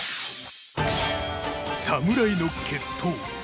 侍の決闘！